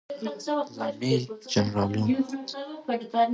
نظامي جنرالانو